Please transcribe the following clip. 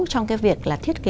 trong cái việc là thiết kế